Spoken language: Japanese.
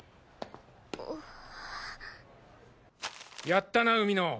やったな海野！